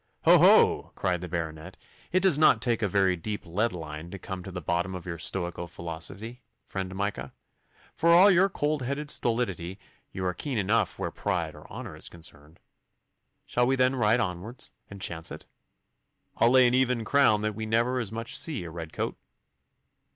'Ho, ho!' cried the Baronet. 'It does not take a very deep lead line to come to the bottom of your stoical philosophy, friend Micah. For all your cold blooded stolidity you are keen enough where pride or honour is concerned. Shall we then ride onwards, and chance it? I'll lay an even crown that we never as much as see a red coat.